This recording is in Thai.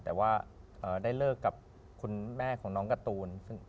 แต่ว่าได้เลิกกับคุณแม่ของน้องการ์ตูน